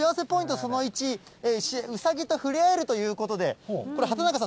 その１、うさぎと触れ合えるということで、これ、畑中さん、